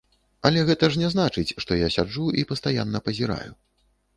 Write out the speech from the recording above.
Але гэта ж не значыць, што я сяджу і пастаянна пазіраю.